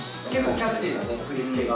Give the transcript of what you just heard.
キャッチーな振り付けが。